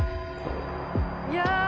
いや。